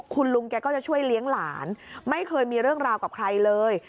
คุณลุงแกก็จะช่วยเลี้ยงหลานไม่เคยมีเรื่องราวกับใครเลย